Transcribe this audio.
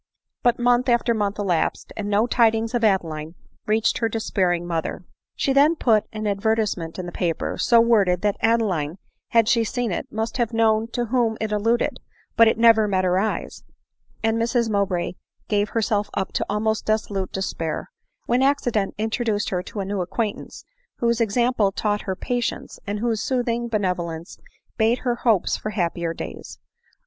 But month after month elapsed, and no tidings of Adeline reached her despairing mother. She then put an advertisement in the paper, so worded that Adeline, had she seen it, must have known to whom it alluded ; but it never met her eyes, and Mrs Mowbray gave herself up to almost absolute despair ; when acci dent introduced her to a new acquaintance, whose ex ample taught her patience, and whose soothing benevo lence bade her hope for happier days.